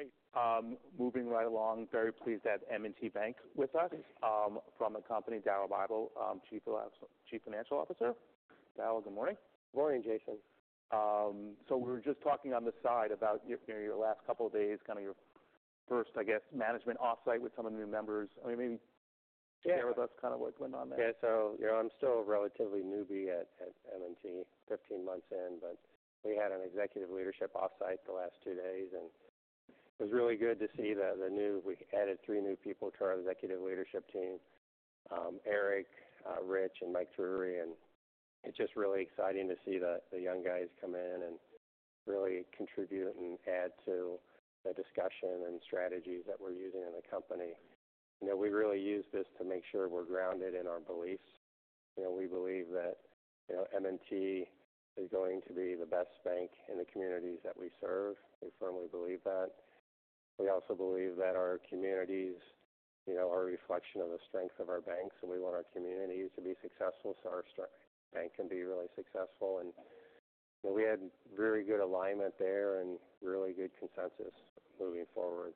Great. Moving right along, very pleased to have M&T Bank with us, from the company, Daryl Bible, Chief Financial Officer. Daryl, good morning. Good morning, Jason. So we were just talking on the side about your, you know, your last couple of days, kind of your first, I guess, management off-site with some of the new members. I mean, maybe- Yeah. Share with us kind of what went on there. Yeah. So, you know, I'm still relatively newbie at M&T, 15 months in, but we had an executive leadership off-site the last two days, and it was really good to see the new. We added three new people to our executive leadership team, Eric, Rich, and Mike Drury. And it's just really exciting to see the young guys come in and really contribute and add to the discussion and strategies that we're using in the company. You know, we really use this to make sure we're grounded in our beliefs. You know, we believe that, you know, M&T is going to be the best bank in the communities that we serve. We firmly believe that. We also believe that our communities, you know, are a reflection of the strength of our bank, so we want our communities to be successful, so our bank can be really successful. And, you know, we had very good alignment there and really good consensus moving forward.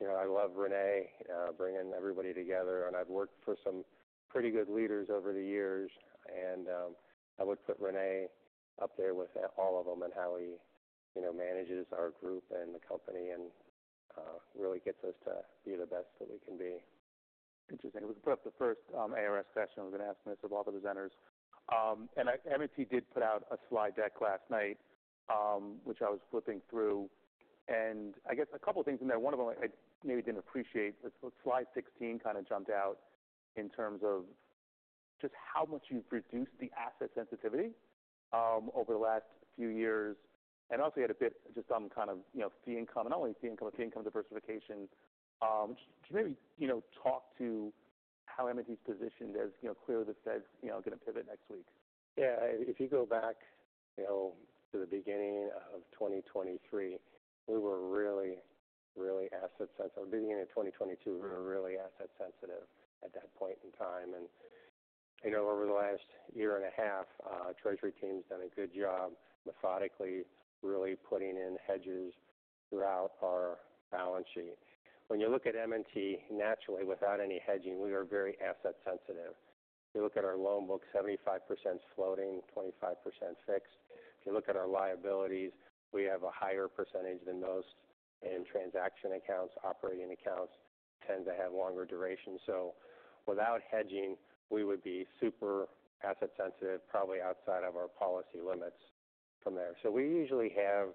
You know, I love René bringing everybody together, and I've worked for some pretty good leaders over the years, and I would put René up there with all of them and how he, you know, manages our group and the company and really gets us to be the best that we can be. Interesting. We put up the first ARS session. We've been asking this of all the presenters. And M&T did put out a slide deck last night, which I was flipping through, and I guess a couple of things in there. One of them I maybe didn't appreciate. Slide 16 kind of jumped out in terms of just how much you've reduced the asset sensitivity over the last few years, and also you had a bit just on kind of, you know, fee income, and not only fee income, fee income diversification. Just maybe, you know, talk to how M&T's positioned, as, you know, clearly the Fed's, you know, going to pivot next week. Yeah. If you go back, you know, to the beginning of 2023, we were really, really asset sensitive. Beginning of 2022, we were really asset sensitive at that point in time. And, you know, over the last year and a half, Treasury team's done a good job methodically, really putting in hedges throughout our balance sheet. When you look at M&T, naturally, without any hedging, we are very asset sensitive. If you look at our loan book, 75% floating, 25% fixed. If you look at our liabilities, we have a higher percentage than most in transaction accounts. Operating accounts tend to have longer duration, so without hedging, we would be super asset sensitive, probably outside of our policy limits from there. So we usually have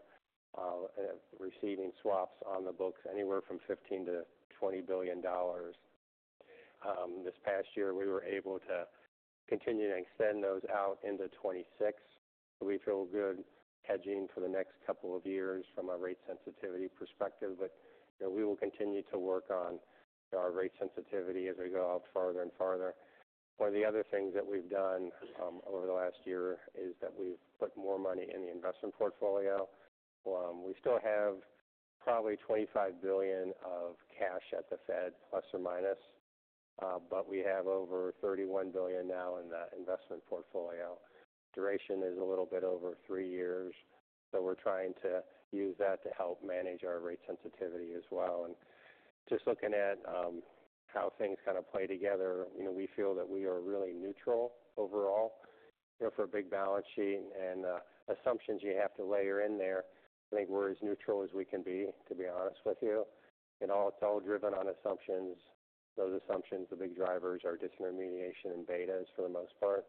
receiving swaps on the books, anywhere from $15-$20 billion. This past year, we were able to continue to extend those out into 2026. So we feel good hedging for the next couple of years from a rate sensitivity perspective, but, you know, we will continue to work on our rate sensitivity as we go out farther and farther. One of the other things that we've done, over the last year, is that we've put more money in the investment portfolio. We still have probably $25 billion of cash at the Fed, plus or minus, but we have over $31 billion now in that investment portfolio. Duration is a little bit over three years, so we're trying to use that to help manage our rate sensitivity as well, and just looking at how things kind of play together, you know, we feel that we are really neutral overall. You know, for a big balance sheet and assumptions you have to layer in there, I think we're as neutral as we can be, to be honest with you. And it's all driven on assumptions. Those assumptions, the big drivers, are disintermediation and betas for the most part.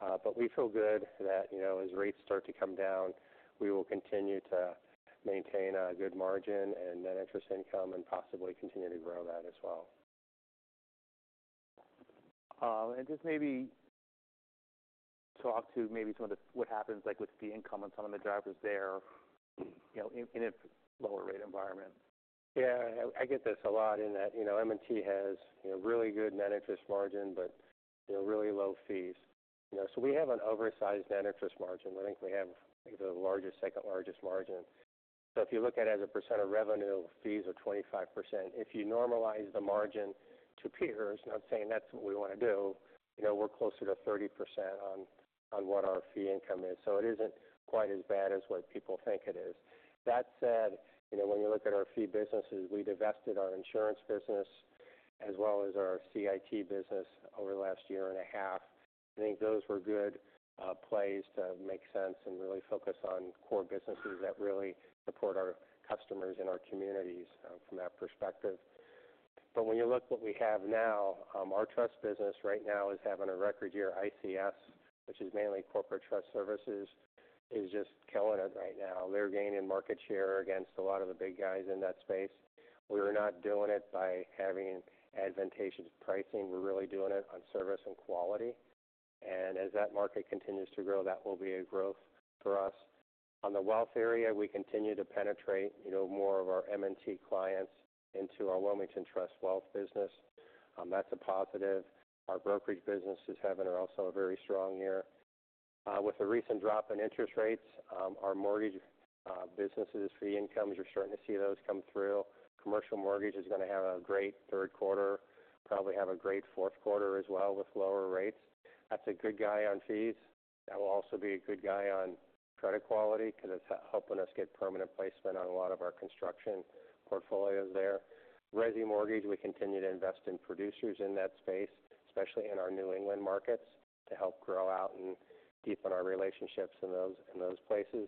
But we feel good that, you know, as rates start to come down, we will continue to maintain a good margin and net interest income and possibly continue to grow that as well. And just maybe talk to some of the, what happens, like, with fee income and some of the drivers there, you know, in a lower rate environment. Yeah, I get this a lot in that, you know, M&T has, you know, really good net interest margin, but, you know, really low fees. You know, so we have an oversized net interest margin. I think we have the largest, second largest margin. So if you look at it as a percent of revenue, fees are 25%. If you normalize the margin to peers, and I'm saying that's what we want to do, you know, we're closer to 30% on what our fee income is. So it isn't quite as bad as what people think it is. That said, you know, when you look at our fee businesses, we divested our insurance business as well as our CIT business over the last year and a half. I think those were good plays to make sense and really focus on core businesses that really support our customers and our communities from that perspective. But when you look what we have now, our trust business right now is having a record year. ICS, which is mainly corporate trust services, is just killing it right now. They're gaining market share against a lot of the big guys in that space. We are not doing it by having advantageous pricing. We're really doing it on service and quality, and as that market continues to grow, that will be a growth for us. On the wealth area, we continue to penetrate, you know, more of our M&T clients into our Wilmington Trust wealth business. That's a positive. Our brokerage business is having also a very strong year. With the recent drop in interest rates, our mortgage businesses, fee incomes, are starting to see those come through. Commercial mortgage is going to have a great Q3, probably have a great Q4 as well with lower rates. That's a good guy on fees. That will also be a good guy on credit quality because it's helping us get permanent placement on a lot of our construction portfolios there. Resi mortgage, we continue to invest in producers in that space, especially in our New England markets, to help grow out and deepen our relationships in those places.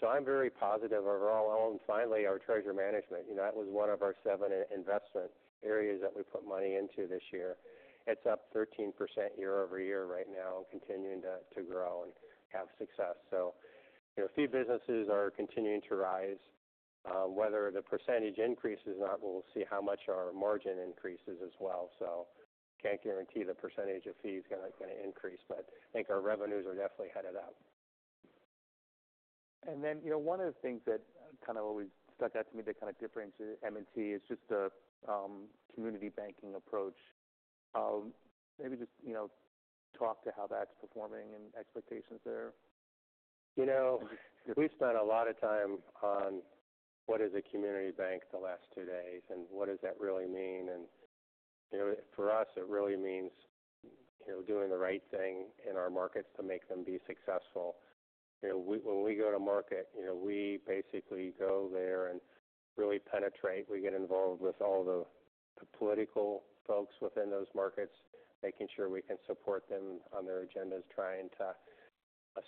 So I'm very positive overall. And finally, our treasury management. You know, that was one of our seven investment areas that we put money into this year. It's up 13% year over year right now, continuing to grow and have success. You know, fee businesses are continuing to rise. Whether the percentage increases or not, we'll see how much our margin increases as well. Can't guarantee the percentage of fee is going to increase, but I think our revenues are definitely headed up. And then, you know, one of the things that kind of always stuck out to me that kind of differentiates M&T is just the, community banking approach. Maybe just, you know, talk to how that's performing and expectations there. You know, we've spent a lot of time on what is a community bank the last two days, and what does that really mean? You know, for us, it really means, you know, doing the right thing in our markets to make them be successful. You know, when we go to market, you know, we basically go there and really penetrate. We get involved with all the political folks within those markets, making sure we can support them on their agendas, trying to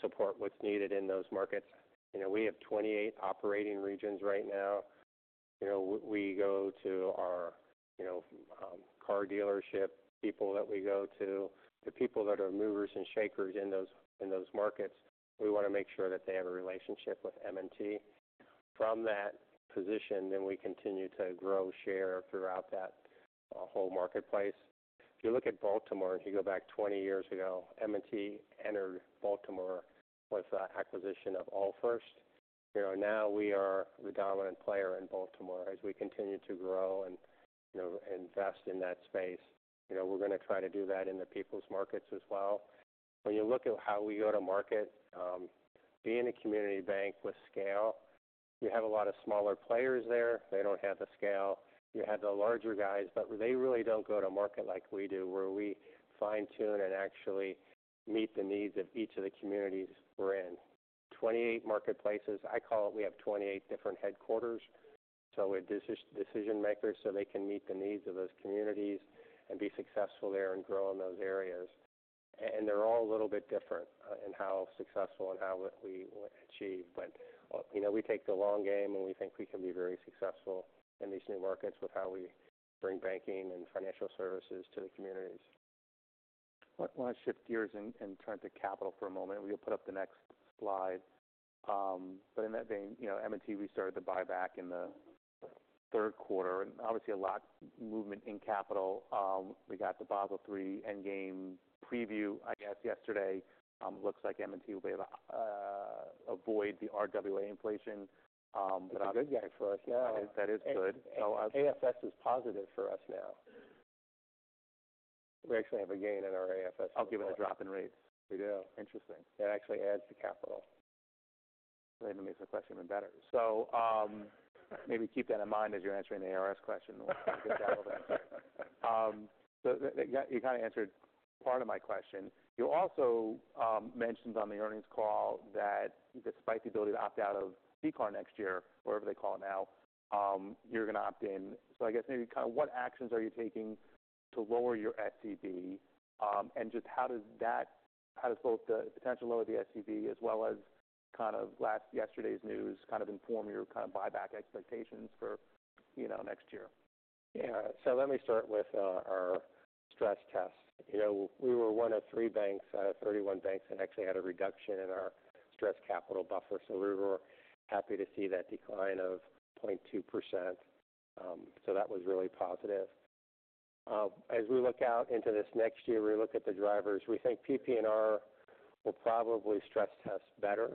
support what's needed in those markets. You know, we have 28 operating regions right now. You know, we go to our, you know, car dealership people that we go to, the people that are movers and shakers in those markets. We want to make sure that they have a relationship with M&T. From that position, then we continue to grow share throughout that whole marketplace. If you look at Baltimore, if you go back 20 years ago, M&T entered Baltimore with the acquisition of Allfirst. You know, now we are the dominant player in Baltimore as we continue to grow and, you know, invest in that space. You know, we're going to try to do that in the People's markets as well. When you look at how we go to market, being a community bank with scale, you have a lot of smaller players there. They don't have the scale. You have the larger guys, but they really don't go to market like we do, where we fine-tune and actually meet the needs of each of the communities we're in. 28 marketplaces. I call it. We have 28 different headquarters, so with decision makers, so they can meet the needs of those communities and be successful there and grow in those areas, and they're all a little bit different in how successful and how we achieve, but, you know, we take the long game, and we think we can be very successful in these new markets with how we bring banking and financial services to the communities. I want to shift gears and turn to capital for a moment. We'll put up the next slide. But in that vein, you know, M&T restarted the buyback in the Q3, and obviously a lot movement in capital. We got the Basel III Endgame preview, I guess, yesterday. Looks like M&T will be able to avoid the RWA inflation, but- A good guy for us, yeah. That is good. AFS is positive for us now. We actually have a gain in our AFS. Oh, given the drop in rates. We do. Interesting. That actually adds to capital. That makes the question even better. So, maybe keep that in mind as you're answering the ARS question. So you kind of answered part of my question. You also mentioned on the earnings call that despite the ability to opt out of CCAR next year, whatever they call it now, you're going to opt in. So I guess maybe kind of what actions are you taking to lower your SCB? And just how does both the potential to lower the SCB, as well as kind of yesterday's news, kind of inform your kind of buyback expectations for, you know, next year? Yeah. So let me start with our stress test. You know, we were one of three banks out of 31 banks, and actually had a reduction in our stress capital buffer, so we were happy to see that decline of 0.2%. So that was really positive. As we look out into this next year, we look at the drivers. We think PPNR will probably stress test better,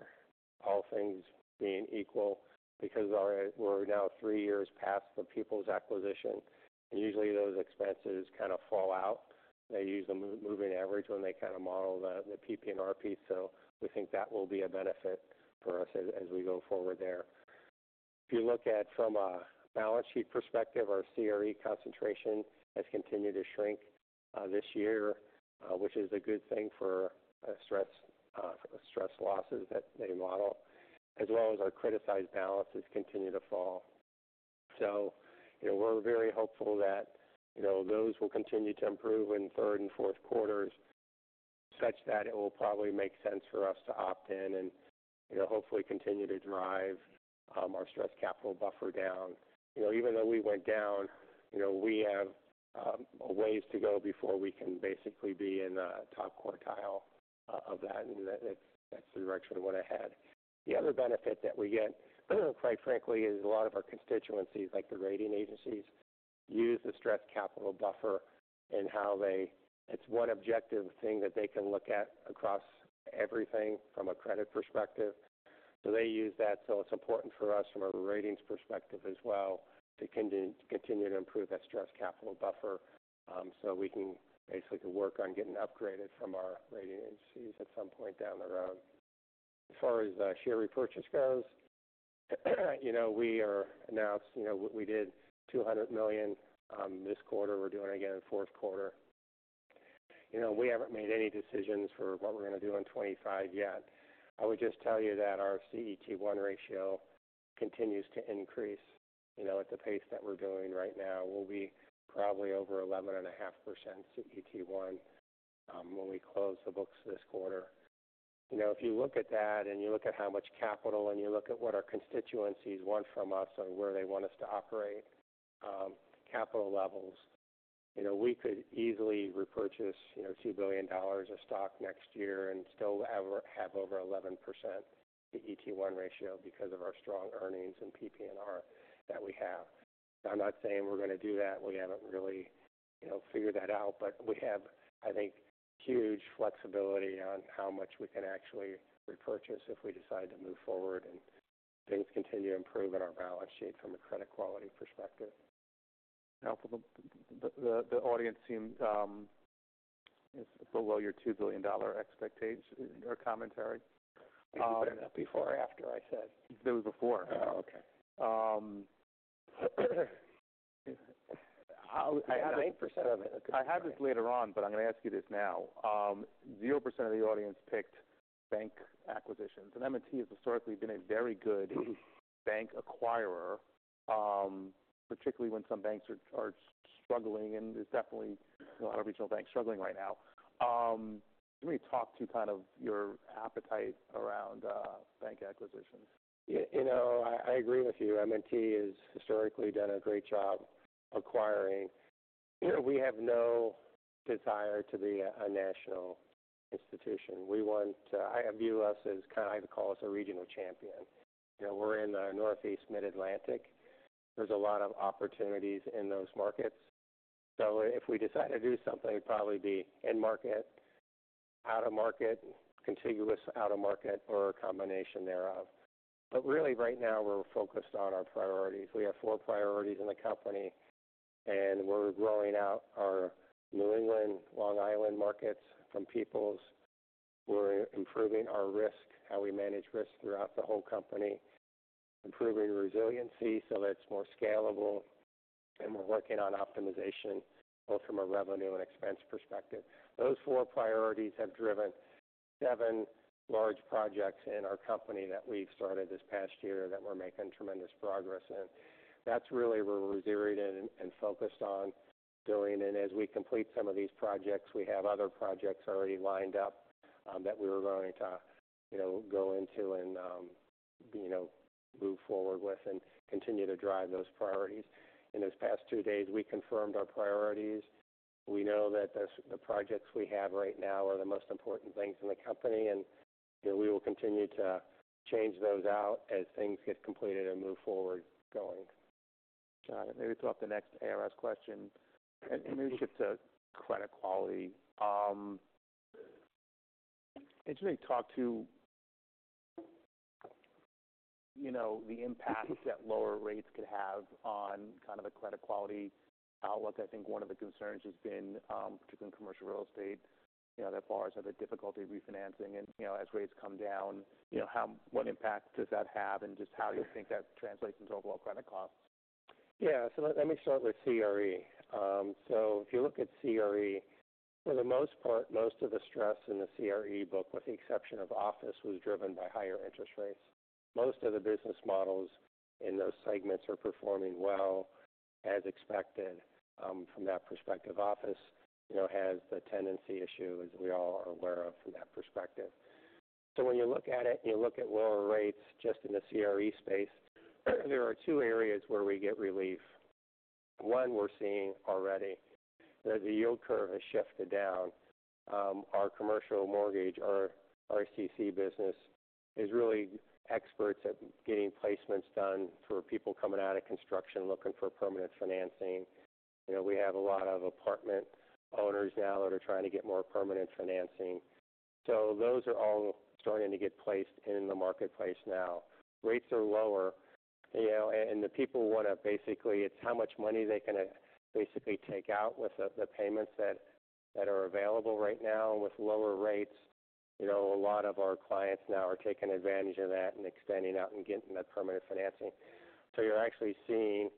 all things being equal, because all right, we're now three years past the People's acquisition, and usually those expenses kind of fall out. They use a moving average when they kind of model the PPNR piece, so we think that will be a benefit for us as we go forward there. If you look at from a balance sheet perspective, our CRE concentration has continued to shrink this year, which is a good thing for stress losses that they model, as well as our criticized balances continue to fall. So you know, we're very hopeful that, you know, those will continue to improve in Q3 and Q4s, such that it will probably make sense for us to opt in and, you know, hopefully continue to drive our stress capital buffer down. You know, even though we went down, you know, we have a ways to go before we can basically be in the top quartile of that, and that's the direction we want to head. The other benefit that we get, quite frankly, is a lot of our constituencies, like the rating agencies, use the stress capital buffer and how they... It's one objective thing that they can look at across everything from a credit perspective. So they use that, so it's important for us from a ratings perspective as well, to continue to improve that stress capital buffer, so we can basically work on getting upgraded from our rating agencies at some point down the road. As far as the share repurchase goes, you know, we announced, you know, we did $200 million this quarter. We're doing again in the Q4. You know, we haven't made any decisions for what we're going to do in 2025 yet. I would just tell you that our CET1 ratio continues to increase. You know, at the pace that we're doing right now, we'll be probably over 11.5% CET1 when we close the books this quarter. You know, if you look at that, and you look at how much capital, and you look at what our constituencies want from us and where they want us to operate, capital levels, you know, we could easily repurchase, you know, $2 billion of stock next year and still have over 11% CET1 ratio because of our strong earnings and PPNR that we have. I'm not saying we're going to do that. We haven't really, you know, figured that out, but we have, I think, huge flexibility on how much we can actually repurchase if we decide to move forward and things continue to improve in our balance sheet from a credit quality perspective. Now, for the audience seemed, it's below your $2 billion expectation or commentary. Was that before or after I said? That was before. Oh, okay. Um, I- I think percent of it. I had this later on, but I'm going to ask you this now. Zero percent of the audience picked bank acquisitions, and M&T has historically been a very good bank acquirer, particularly when some banks are struggling, and there's definitely a lot of regional banks struggling right now. Can you talk to kind of your appetite around bank acquisitions? Yeah. You know, I, I agree with you. M&T has historically done a great job acquiring. You know, we have no desire to be a, a national institution. We want to... I view us as kind. I call us a regional champion. You know, we're in the Northeast Mid-Atlantic. There's a lot of opportunities in those markets. So if we decide to do something, it'd probably be in market, out-of-market, contiguous out-of-market, or a combination thereof. But really, right now, we're focused on our priorities. We have four priorities in the company, and we're growing out our New England, Long Island markets from People's. We're improving our risk, how we manage risk throughout the whole company, improving resiliency so that it's more scalable, and we're working on optimization, both from a revenue and expense perspective. Those four priorities have driven seven large projects in our company that we've started this past year that we're making tremendous progress in. That's really where we're zeroed in and focused on doing, and as we complete some of these projects, we have other projects already lined up that we were going to, you know, go into and you know, move forward with and continue to drive those priorities. In these past two days, we confirmed our priorities. We know that the projects we have right now are the most important things in the company, and, you know, we will continue to change those out as things get completed and move forward going. Got it. Let me throw up the next ARS question, and maybe shift to credit quality. Interesting, you know, the impact that lower rates could have on kind of the credit quality outlook. I think one of the concerns has been, particularly in commercial real estate, you know, that borrowers have a difficulty refinancing and, you know, as rates come down, you know, how, what impact does that have and just how you think that translates into overall credit costs? Yeah. So let me start with CRE. So if you look at CRE, for the most part, most of the stress in the CRE book, with the exception of office, was driven by higher interest rates. Most of the business models in those segments are performing well, as expected. From that perspective, office, you know, has the tendency issue, as we all are aware of from that perspective. So when you look at it, you look at lower rates just in the CRE space. There are two areas where we get relief. One, we're seeing already, that the yield curve has shifted down. Our commercial mortgage, our RCC business, is really experts at getting placements done for people coming out of construction looking for permanent financing. You know, we have a lot of apartment owners now that are trying to get more permanent financing. So those are all starting to get placed in the marketplace now. Rates are lower, you know, and the people want to basically, it's how much money they can basically take out with the payments that are available right now with lower rates. You know, a lot of our clients now are taking advantage of that and extending out and getting that permanent financing. So you're actually seeing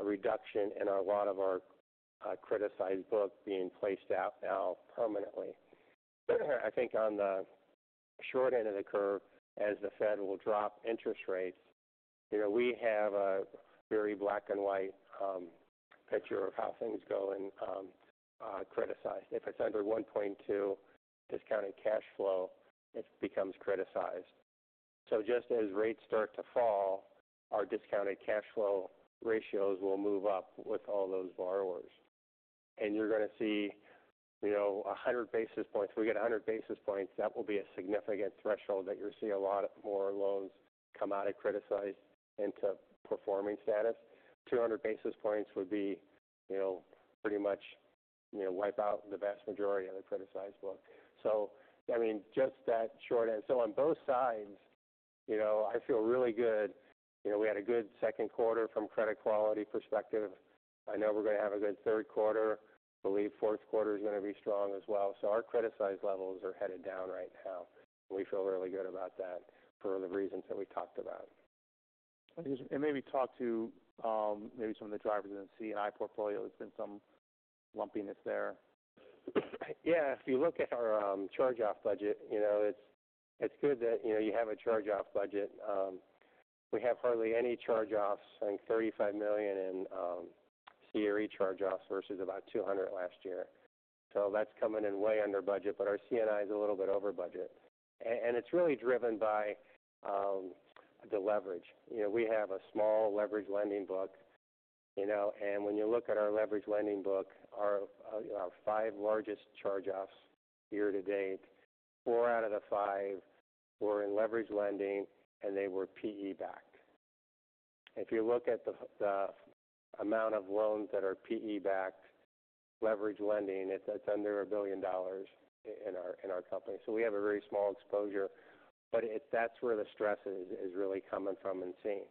a reduction in a lot of our criticized book being placed out now permanently. I think on the short end of the curve, as the Fed will drop interest rates, you know, we have a very black-and-white picture of how things go and criticized. If it's under one point two discounted cash flow, it becomes criticized. So just as rates start to fall, our discounted cash flow ratios will move up with all those borrowers. You're going to see, you know, a hundred basis points. We get a hundred basis points, that will be a significant threshold that you'll see a lot more loans come out of criticized into performing status. Two hundred basis points would be, you know, pretty much, you know, wipe out the vast majority of the criticized book. So, I mean, just that short end. So on both sides, you know, I feel really good. You know, we had a good Q2 from credit quality perspective. I know we're going to have a good Q3. Believe Q4 is going to be strong as well. So our criticized levels are headed down right now. We feel really good about that for the reasons that we talked about. And maybe talk to, maybe some of the drivers in the C&I portfolio. There's been some lumpiness there. Yeah, if you look at our charge-off budget, you know, it's good that, you know, you have a charge-off budget. We have hardly any charge-offs, I think $35 million in CRE charge-offs versus about $200 million last year. So that's coming in way under budget, but our C&I is a little bit over budget. And it's really driven by the leverage. You know, we have a small leverage lending book, you know, and when you look at our leverage lending book, our five largest charge-offs year to date, four out of the five were in leverage lending, and they were PE backed. If you look at the amount of loans that are PE backed, leverage lending, that's under $1 billion in our company. We have a very small exposure, but it, that's where the stress is really coming from and seeing.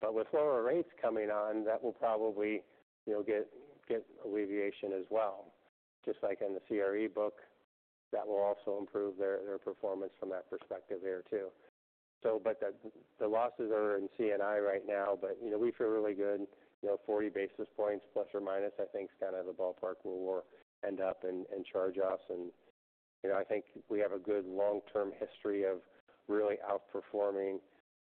But with lower rates coming on, that will probably, you know, get alleviation as well, just like in the CRE book. That will also improve their performance from that perspective there, too. But the losses are in C&I right now, but, you know, we feel really good. You know, 40 basis points plus or minus, I think is kind of the ballpark we'll end up in charge-offs. And, you know, I think we have a good long-term history of really outperforming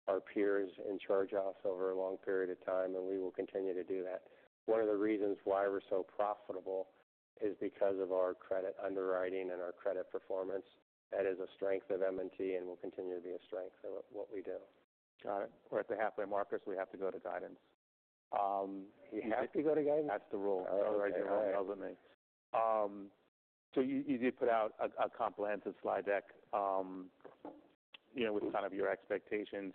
our peers in charge-offs over a long period of time, and we will continue to do that. One of the reasons why we're so profitable is because of our credit underwriting and our credit performance. That is a strength of M&T and will continue to be a strength of what we do. Got it. We're at the halfway mark, so we have to go to guidance. We have to go to guidance? That's the rule. All right. So you did put out a comprehensive slide deck, you know, with kind of your expectations.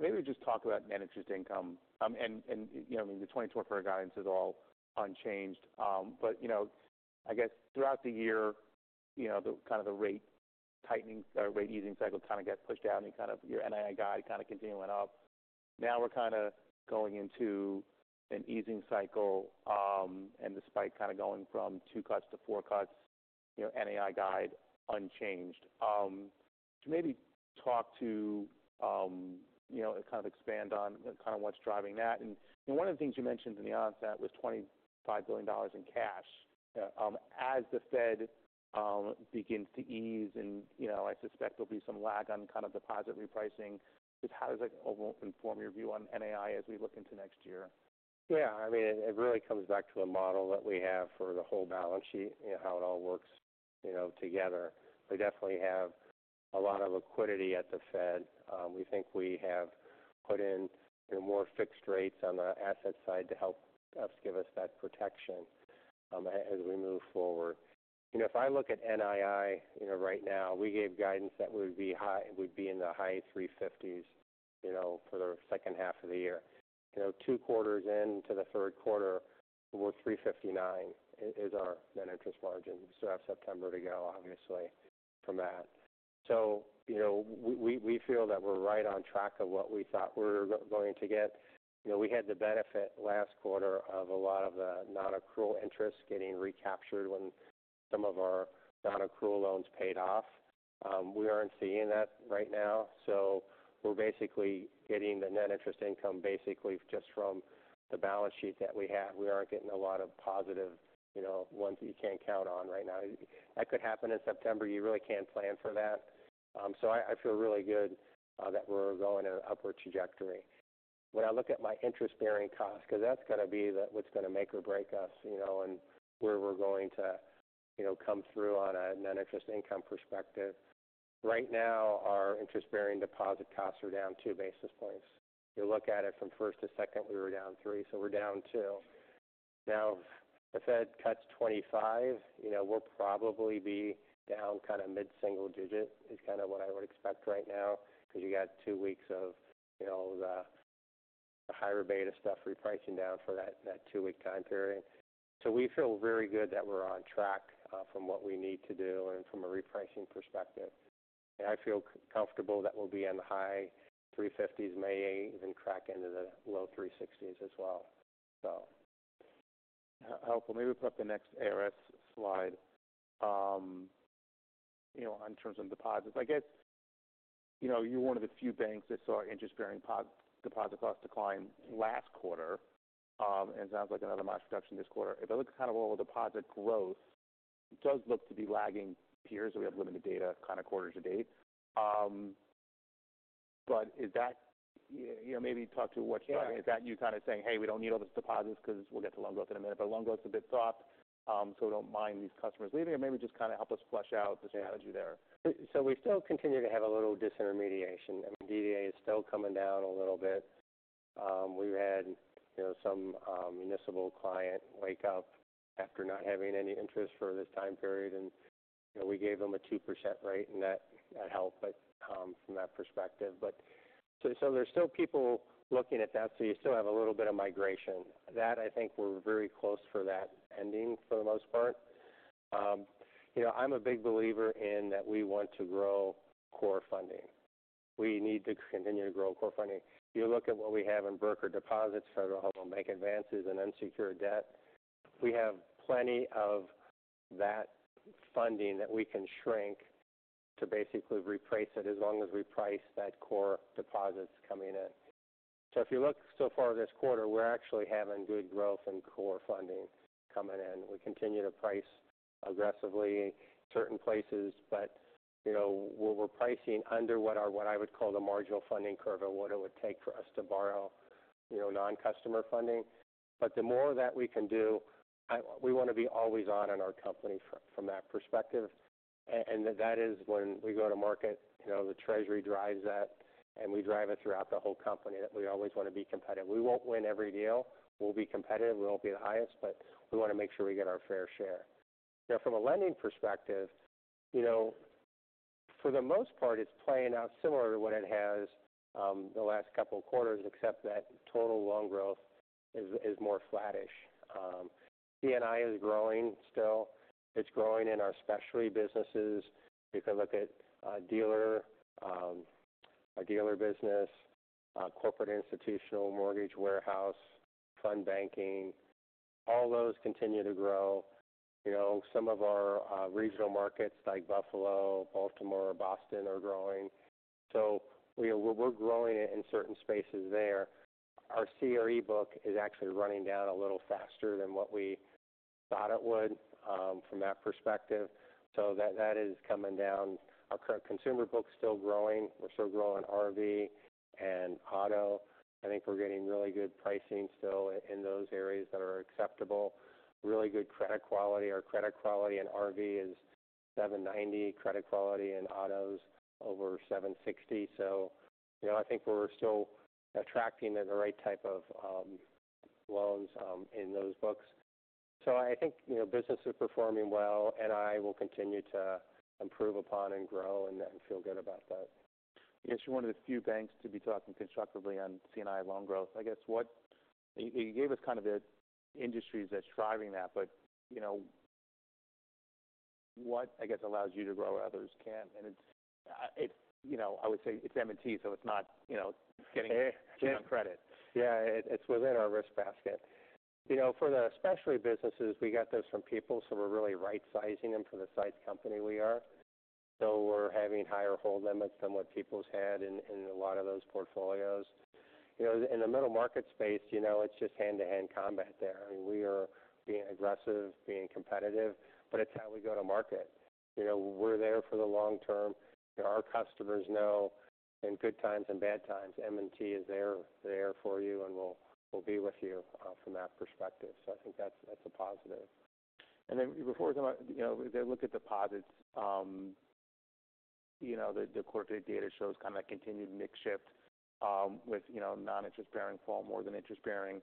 Maybe just talk about net interest income. And you know, the 2024 guidance is all unchanged. But you know, I guess throughout the year, you know, the kind of rate tightening or rate easing cycle kind of gets pushed out, and kind of your NII guide kind of continuing up. Now we're kind of going into an easing cycle, and despite kind of going from two cuts to four cuts, you know, NII guide unchanged. So maybe talk to you know, kind of expand on kind of what's driving that. And one of the things you mentioned in the onset was $25 billion in cash. As the Fed begins to ease and, you know, I suspect there'll be some lag on kind of deposit repricing, just how does that inform your view on NII as we look into next year? Yeah, I mean, it really comes back to a model that we have for the whole balance sheet and how it all works, you know, together. We definitely have a lot of liquidity at the Fed. We think we have put in more fixed rates on the asset side to help us give us that protection as we move forward. You know, if I look at NII, you know, right now, we gave guidance that would be high, would be in the high 350s, you know, for the second half of the year. You know, two quarters into the Q3, we're 359 is our net interest margin. We still have September to go, obviously, from that. So, you know, we feel that we're right on track of what we thought we were going to get. You know, we had the benefit last quarter of a lot of the non-accrual interest getting recaptured when some of our non-accrual loans paid off. We aren't seeing that right now, so we're basically getting the net interest income, basically, just from the balance sheet that we have. We aren't getting a lot of positive, you know, ones that you can't count on right now. That could happen in September. You really can't plan for that, so I feel really good that we're going in an upward trajectory. When I look at my interest-bearing costs, because that's going to be what's going to make or break us, you know, and where we're going to, you know, come through on a net interest income perspective. Right now, our interest-bearing deposit costs are down two basis points. If you look at it from first to second, we were down three, so we're down two. Now, the Fed cuts 25, you know, we'll probably be down kind of mid-single digit. It's kind of what I would expect right now, because you got two weeks of, you know, the higher beta stuff repricing down for that two-week time period. So we feel very good that we're on track from what we need to do and from a repricing perspective. I feel comfortable that we'll be in the high 350s, may even crack into the low 360s as well, so. Helpful. Maybe put up the next ARS slide. You know, in terms of deposits, I guess, you know, you're one of the few banks that saw interest-bearing deposit costs decline last quarter, and sounds like another modest reduction this quarter. If I look kind of overall deposit growth, it does look to be lagging peers. We have limited data, kind of quarter to date. But is that, you know, maybe talk to what. Sure. Is that you kind of saying, "Hey, we don't need all these deposits because we'll get to loan growth in a minute, but loan growth is a bit soft, so we don't mind these customers leaving." Or maybe just kind of help us flesh out the strategy there? So we still continue to have a little disintermediation. I mean, DDA is still coming down a little bit. We've had, you know, some municipal client wake up after not having any interest for this time period, and, you know, we gave them a 2% rate, and that, that helped, but from that perspective. But so there's still people looking at that, so you still have a little bit of migration. That, I think we're very close for that ending for the most part. You know, I'm a big believer in that we want to grow core funding. We need to continue to grow core funding. If you look at what we have in broker deposits, Federal Home Loan Bank advances, and unsecured debt, we have plenty of that funding that we can shrink to basically reprice it, as long as we price that core deposits coming in. So if you look so far this quarter, we're actually having good growth in core funding coming in. We continue to price aggressively in certain places, but, you know, we're pricing under what I would call the marginal funding curve of what it would take for us to borrow, you know, non-customer funding. But the more that we can do, we want to be always on in our company from that perspective. And that is when we go to market, you know, the treasury drives that, and we drive it throughout the whole company, that we always want to be competitive. We won't win every deal. We'll be competitive. We won't be the highest, but we want to make sure we get our fair share. Now, from a lending perspective, you know, for the most part, it's playing out similar to what it has, the last couple of quarters, except that total loan growth is more flattish. C&I is growing still. It's growing in our specialty businesses. If you look at, dealer, our dealer business, corporate institutional, mortgage warehouse, fund banking, all those continue to grow. You know, some of our, regional markets like Buffalo, Baltimore, Boston, are growing. So we're growing it in certain spaces there. Our CRE book is actually running down a little faster than what we thought it would, from that perspective. So that is coming down. Our consumer book is still growing. We're still growing RV and Auto. I think we're getting really good pricing still in those areas that are acceptable. Really good credit quality. Our credit quality in RV is 790. Credit quality in auto is over 760. So, you know, I think we're still attracting the right type of loans in those books. So I think, you know, business is performing well, and I will continue to improve upon and grow and feel good about that. I guess you're one of the few banks to be talking constructively on C&I loan growth. I guess what... You gave us kind of the industries that's driving that, but, you know, what, I guess, allows you to grow where others can't, and it's, it's, you know, I would say it's M&T, so it's not, you know, getting credit. Yeah, it's within our risk basket. You know, for the specialty businesses, we got those from People's, so we're really right-sizing them for the size company we are. So we're having higher hold limits than what People's had in a lot of those portfolios. You know, in the middle market space, you know, it's just hand-to-hand combat there. I mean, we are being aggressive, being competitive, but it's how we go to market. You know, we're there for the long term. Our customers know, in good times and bad times, M&T is there, there for you, and we'll, we'll be with you from that perspective. So I think that's, that's a positive. And then before we go on, you know, they look at deposits, you know, the corporate data shows kind of a continued mix shift, with you know, non-interest bearing fall more than interest bearing.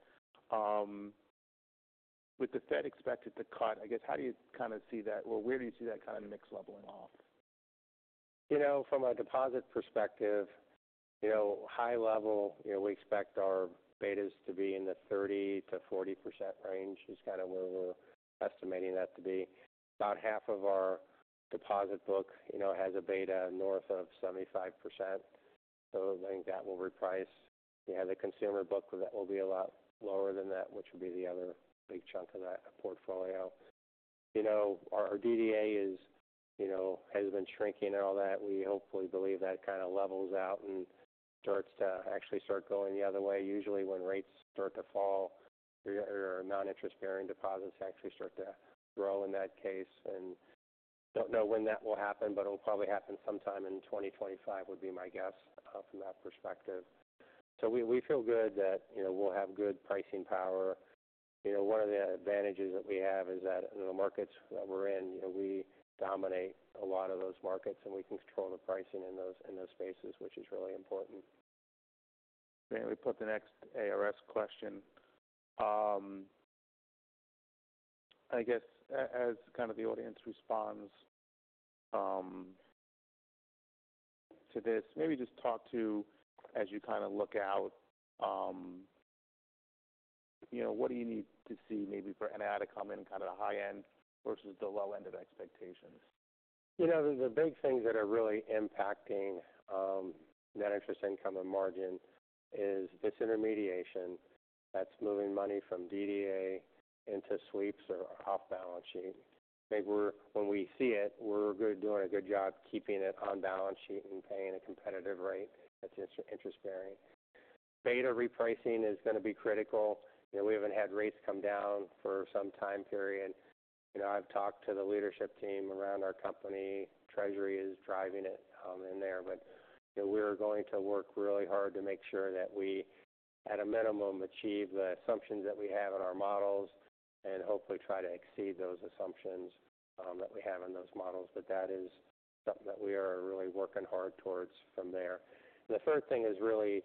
With the Fed expected to cut, I guess, how do you kind of see that? Well, where do you see that kind of mix leveling off? You know, from a deposit perspective, you know, high level, you know, we expect our betas to be in the 30% to 40% range. It's kind of where we're estimating that to be. About half of our deposit book, you know, has a beta north of 75%, so I think that will reprice. Yeah, the consumer book, that will be a lot lower than that, which would be the other big chunk of that portfolio. You know, our DDA is, you know, has been shrinking and all that. We hopefully believe that kind of levels out and starts to actually go the other way. Usually, when rates start to fall, your non-interest bearing deposits actually start to grow in that case. And don't know when that will happen, but it'll probably happen sometime in 2025, would be my guess, from that perspective. So we feel good that, you know, we'll have good pricing power. You know, one of the advantages that we have is that in the markets that we're in, you know, we dominate a lot of those markets, and we control the pricing in those spaces, which is really important. May we put the next ARS question? I guess, as kind of the audience responds to this, maybe just talk to, as you kind of look out, you know, what do you need to see maybe for-- and add a comment, kind of the high end versus the low end of expectations. You know, the big things that are really impacting net interest income and margin is this disintermediation that's moving money from DDA into sweeps or off balance sheet. Maybe we're doing a good job keeping it on balance sheet and paying a competitive rate that's interest-bearing. Beta repricing is going to be critical. You know, we haven't had rates come down for some time period. You know, I've talked to the leadership team around our company. Treasury is driving it in there. But, you know, we're going to work really hard to make sure that we, at a minimum, achieve the assumptions that we have in our models and hopefully try to exceed those assumptions that we have in those models. But that is something that we are really working hard towards from there. The third thing is really,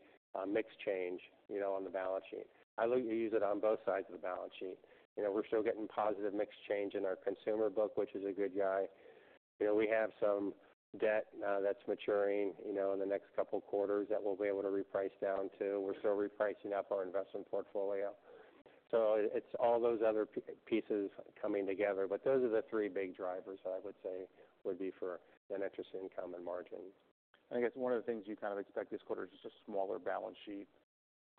mix change, you know, on the balance sheet. I look, we use it on both sides of the balance sheet. You know, we're still getting positive mix change in our consumer book, which is a good guy.... You know, we have some debt that's maturing, you know, in the next couple quarters that we'll be able to reprice down to. We're still repricing up our investment portfolio. So it's all those other pieces coming together. But those are the three big drivers I would say would be for net interest income and margin. I guess one of the things you kind of expect this quarter is just a smaller balance sheet.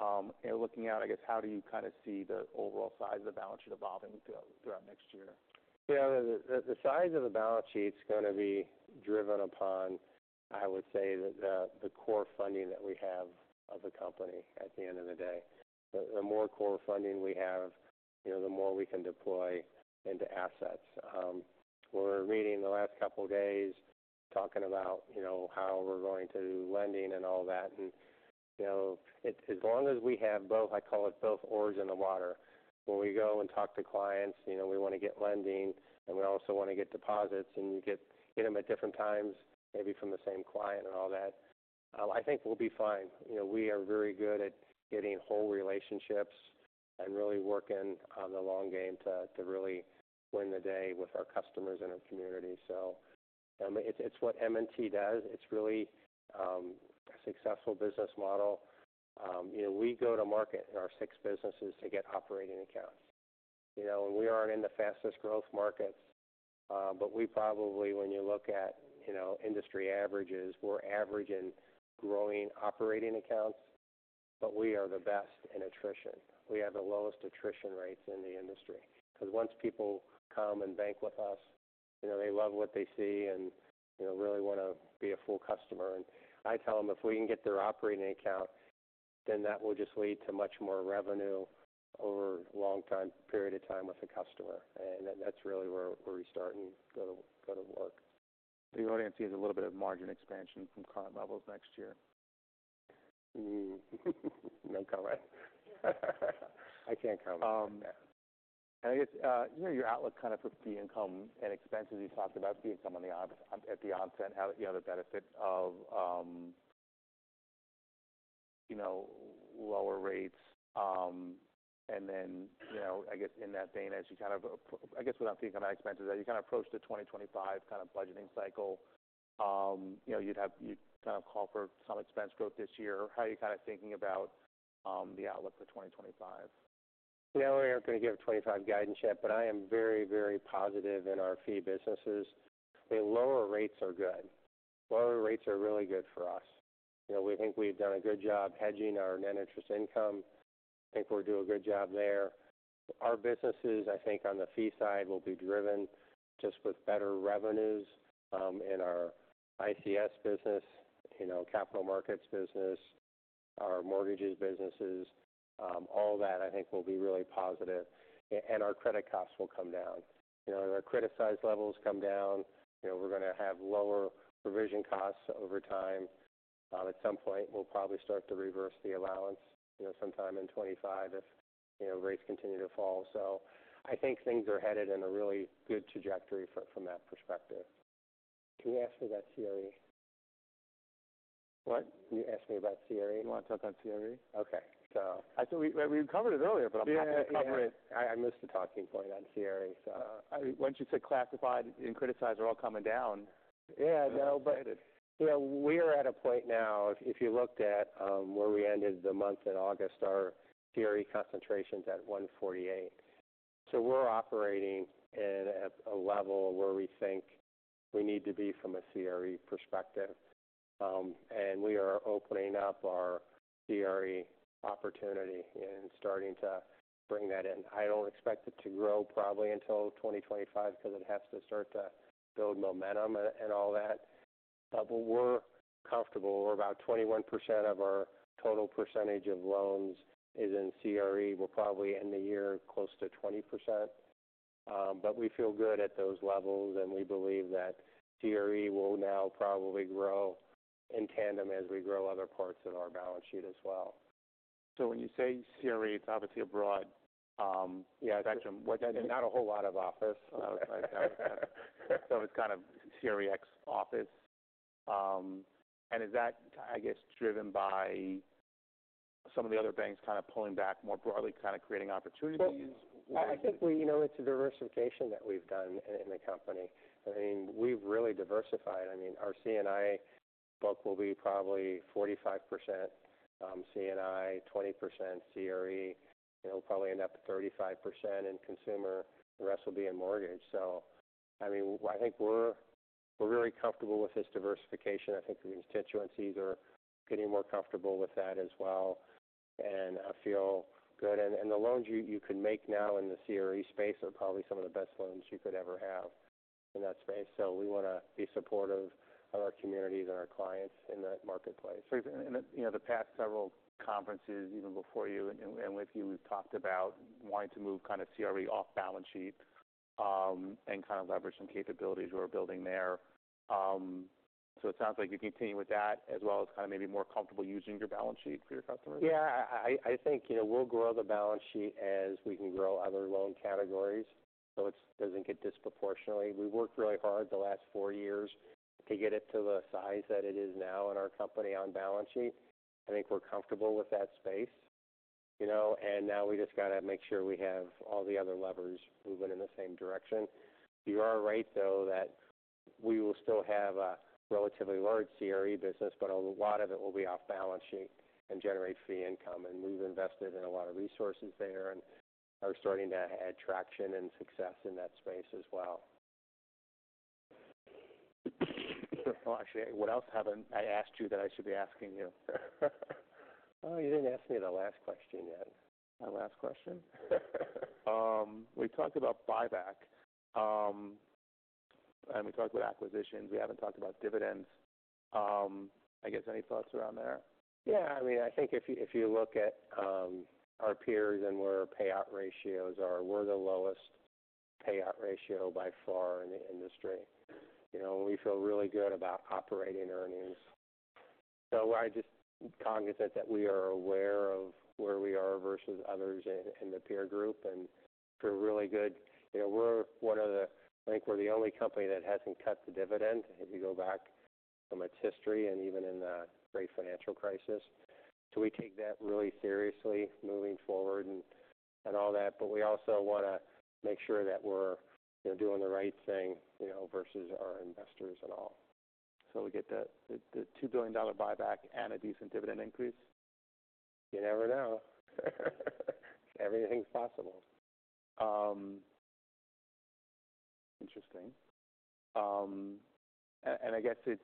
And looking out, I guess, how do you kind of see the overall size of the balance sheet evolving throughout next year? Yeah, the size of the balance sheet's gonna be driven upon, I would say, the core funding that we have of the company at the end of the day. The more core funding we have, you know, the more we can deploy into assets. We're reading the last couple of days, talking about, you know, how we're going to do lending and all that. And, you know, as long as we have both, I call it, both oars in the water, when we go and talk to clients, you know, we want to get lending, and we also want to get deposits, and you get them at different times, maybe from the same client and all that, I think we'll be fine. You know, we are very good at getting whole relationships and really working on the long game to really win the day with our customers and our community. So, I mean, it's what M&T does. It's really a successful business model. You know, we go to market in our six businesses to get operating accounts. You know, and we aren't in the fastest growth markets, but we probably, when you look at, you know, industry averages, we're averaging growing operating accounts, but we are the best in attrition. We have the lowest attrition rates in the industry, because once people come and bank with us, you know, they love what they see and, you know, really want to be a full customer. I tell them, if we can get their operating account, then that will just lead to much more revenue over a long time period of time with the customer. And that's really where we start and go to work. So you want to see a little bit of margin expansion from current levels next year? No comment. I can't comment. I guess, you know, your outlook kind of puts the income and expenses. You talked about the income at the onset, how, you know, the benefit of, you know, lower rates. And then, you know, I guess in that vein, as you kind of, I guess, without the economic expenses, as you kind of approach the 2025 kind of budgeting cycle, you know, you'd kind of call for some expense growth this year. How are you kind of thinking about the outlook for 2025? No, we aren't going to give 2025 guidance yet, but I am very, very positive in our fee businesses. The lower rates are good. Lower rates are really good for us. You know, we think we've done a good job hedging our net interest income. I think we're doing a good job there. Our businesses, I think, on the fee side, will be driven just with better revenues in our ICS business, you know, capital markets business, our mortgages businesses. All that, I think, will be really positive, and our credit costs will come down. You know, our criticized levels come down, you know, we're going to have lower provision costs over time. At some point, we'll probably start to reverse the allowance, you know, sometime in 2025 if, you know, rates continue to fall. So I think things are headed in a really good trajectory from that perspective. Can you ask me about CRE? What? Can you ask me about CRE? You want to talk about CRE? Okay. So I thought we covered it earlier, but I'm happy to cover it. Yeah, I missed the talking point on CRE, so. Once you said classified and criticized, we're all coming down. Yeah, I know, but I did. You know, we are at a point now, if you looked at where we ended the month in August, our CRE concentration is at 148. So we're operating at a level where we think we need to be from a CRE perspective. And we are opening up our CRE opportunity and starting to bring that in. I don't expect it to grow probably until 2025 because it has to start to build momentum and all that. But we're comfortable. We're about 21% of our total percentage of loans is in CRE. We're probably in the year close to 20%. But we feel good at those levels, and we believe that CRE will now probably grow in tandem as we grow other parts of our balance sheet as well. So when you say CRE, it's obviously a broad, Yeah. Actually, not a whole lot of office. So it's kind of CRE ex office. And is that, I guess, driven by some of the other banks kind of pulling back more broadly, kind of creating opportunities? I think we... You know, it's a diversification that we've done in the company. I mean, we've really diversified. I mean, our C&I book will be probably 45% C&I, 20% CRE, it'll probably end up at 35% in consumer, the rest will be in mortgage. So I mean, I think we're very comfortable with this diversification. I think the constituencies are getting more comfortable with that as well, and I feel good. And the loans you can make now in the CRE space are probably some of the best loans you could ever have in that space. So we want to be supportive of our communities and our clients in that marketplace. So, you know, in the past several conferences, even before you and with you, we've talked about wanting to move kind of CRE off balance sheet, and kind of leverage some capabilities we're building there. So it sounds like you continue with that as well as kind of maybe more comfortable using your balance sheet for your customers? Yeah, I think, you know, we'll grow the balance sheet as we can grow other loan categories, so it doesn't get disproportionately. We worked really hard the last four years to get it to the size that it is now in our company on balance sheet. I think we're comfortable with that space... you know, and now we just got to make sure we have all the other levers moving in the same direction. You are right, though, that we will still have a relatively large CRE business, but a lot of it will be off balance sheet and generate fee income, and we've invested in a lot of resources there and are starting to add traction and success in that space as well. Well, actually, what else haven't I asked you that I should be asking you? Oh, you didn't ask me the last question yet. My last question? We talked about buyback, and we talked about acquisitions. We haven't talked about dividends. I guess any thoughts around there? Yeah, I mean, I think if you, if you look at our peers and where our payout ratios are, we're the lowest payout ratio by far in the industry. You know, we feel really good about operating earnings. So I'm just cognizant that we are aware of where we are versus others in the peer group, and feel really good. You know, we're one of the—I think we're the only company that hasn't cut the dividend, if you go back on its history and even in the great financial crisis. So we take that really seriously moving forward and all that, but we also want to make sure that we're, you know, doing the right thing, you know, versus our investors and all. So we get the $2 billion buyback and a decent dividend increase? You never know. Everything's possible. Interesting. And I guess it's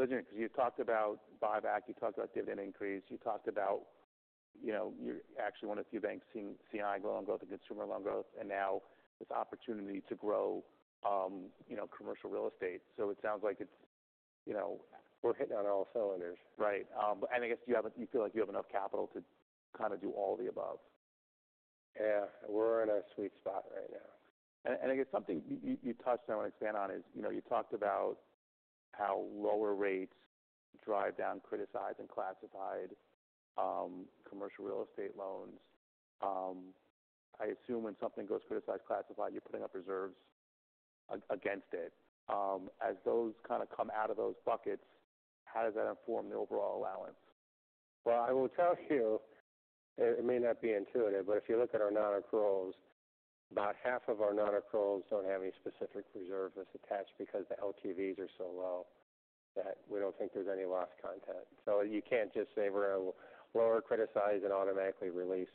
interesting because you talked about buyback, you talked about dividend increase, you talked about, you know, you're actually one of the few banks seeing C&I loan growth and consumer loan growth, and now this opportunity to grow, you know, commercial real estate. So it sounds like it's, you know- We're hitting on all cylinders. Right. And I guess, do you feel like you have enough capital to kind of do all the above? Yeah, we're in a sweet spot right now. I guess something you touched on, I want to expand on is, you know, you talked about how lower rates drive down criticized and classified commercial real estate loans. I assume when something goes criticized, classified, you're putting up reserves against it. As those kind of come out of those buckets, how does that inform the overall allowance? I will tell you, it may not be intuitive, but if you look at our nonaccruals, about half of our nonaccruals don't have any specific reserve that's attached because the LTVs are so low that we don't think there's any loss content. So you can't just say we're going to lower, criticize, and automatically release.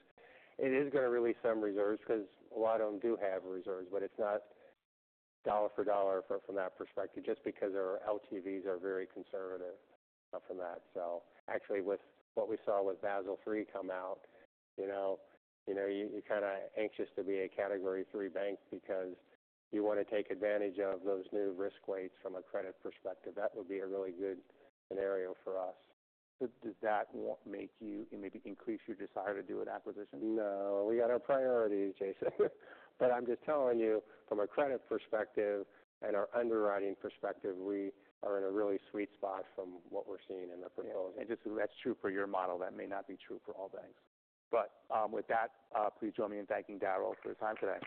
It is going to release some reserves because a lot of them do have reserves, but it's not dollar for dollar from that perspective, just because our LTVs are very conservative from that. So actually, with what we saw with Basel III come out, you know, you know, you're kind of anxious to be a Category III bank because you want to take advantage of those new risk weights from a credit perspective. That would be a really good scenario for us. So does that make you, maybe increase your desire to do an acquisition? No, we got our priorities, Jason. But I'm just telling you from a credit perspective and our underwriting perspective, we are in a really sweet spot from what we're seeing in the portfolio. And just, that's true for your model. That may not be true for all banks. But, with that, please join me in thanking Daryl for his time today.